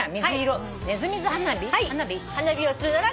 「花火をするなら」